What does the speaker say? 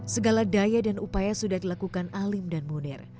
segala daya dan upaya sudah dilakukan alim dan munir